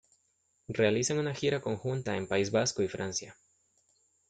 Realizan una gira conjunta en País Vasco y Francia.